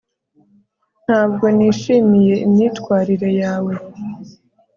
ntabwo nishimiye imyitwarire yawe